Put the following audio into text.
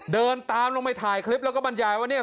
เดินตามลงไปถ่ายคลิปแล้วก็บรรยายว่าเนี่ย